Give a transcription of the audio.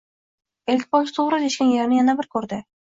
Ellikboshi o‘g‘ri teshgan yerni yana bir ko‘rdi